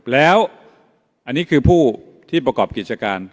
แล้วอันนี้คือผู้ที่ประกอบกิจการ